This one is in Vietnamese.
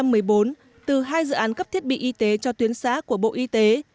năm hai nghìn một mươi bốn từ hai dự án cấp thiết bị y tế cho tuyến xã của bộ y tế